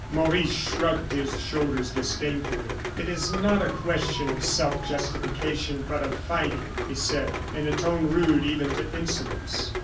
Maurice shrugged his shoulders disdainfully. "It is not a question of self justification, but of fighting," he said, in a tone rude even to insolence.